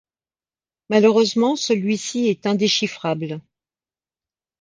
Malheureusement, celui-ci est indéchiffrable.